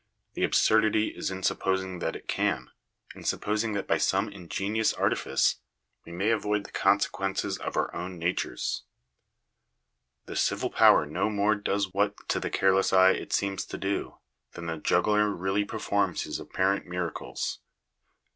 The absurdity is in sup | posing that it can — in supposing that by some ingenious! artifice we may avoid the consequences of our own natures. | The civil power no more does what to the oareless eye it seems to do, than the juggler really performs his apparent miracles.